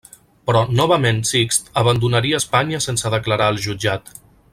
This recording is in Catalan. Però novament Sixt abandonaria Espanya sense declarar al jutjat.